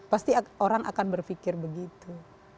pasti orang akan berpikir begitu